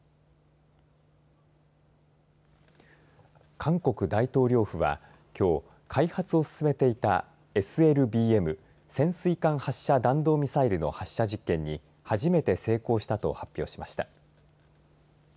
韓国大統領府はきょう開発を進めていたＳＬＢＭ潜水艦発射弾道ミサイルの発射実験に初めて成功したと発表しました。